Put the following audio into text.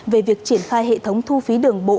về việc triển khai hệ thống thu phí đường bộ